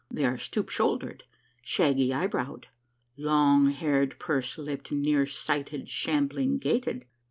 They are stoop shouldered, shaggy eyebrowed, long haired, pursed lipped, near sighted, shambling gaited.